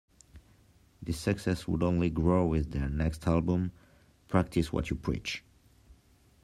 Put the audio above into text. This success would only grow with their next album "Practice What You Preach".